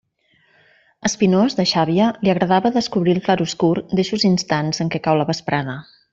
A Espinós, de Xàbia, li agradava descobrir el clarobscur d'eixos instants en què cau la vesprada.